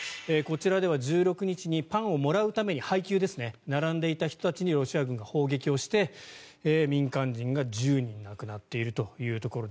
こちらでは１６日にパンをもらうために配給ですね、並んでいた人たちにロシア軍が砲撃をして民間人が１０人亡くなっている。